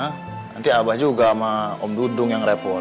nanti abah juga sama om dudung yang repon